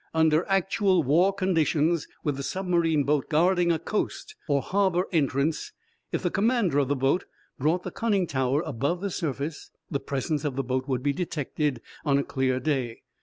Under actual war conditions, with a submarine boat guarding a coast or harbor entrance, if the commander of the boat brought the conning tower above the surface, the presence of the boat would be detected on a clear day.